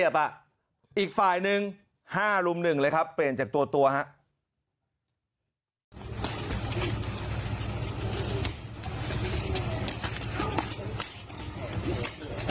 อีกฝ่ายหนึ่ง๕รุ่มหนึ่งเลยครับเปลี่ยนจากตัวฮะ